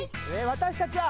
私たちは。